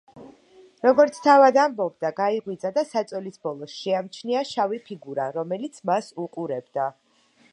როგორც თავად ამბობდა, გაიღვიძა და საწოლის ბოლოს შეამჩნია შავი ფიგურა, რომელიც მას უყურებდა.